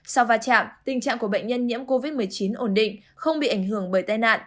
sau va chạm tình trạng của bệnh nhân nhiễm covid một mươi chín ổn định không bị ảnh hưởng bởi tai nạn